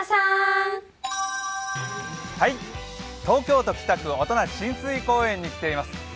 東京都北区・音無親水公園に来ています。